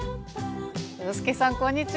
洋輔さんこんにちは。